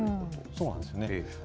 そうなんですよね。